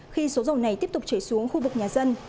khi số dầu này tiếp tục chảy xuống khu vực nhà dân